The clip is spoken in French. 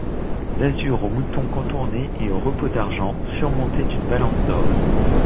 D'azur au mouton contourné et au repos d'argent, surmonté d'une balance d'or.